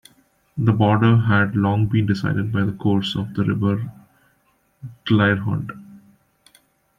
Their border had long been decided by the course of the river Glyrhond.